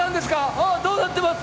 ああどうなってます？